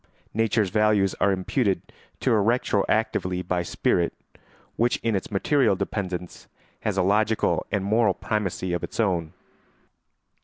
Nature's values are imputed to her retroactively by spirit, which in its material dependence has a logical and moral primacy of its own.